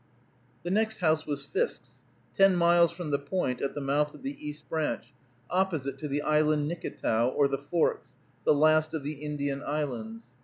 The next house was Fisk's, ten miles from the Point at the mouth of the East Branch, opposite to the island Nicketow, or the Forks, the last of the Indian islands.